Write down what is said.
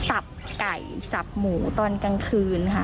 ไก่สับหมูตอนกลางคืนค่ะ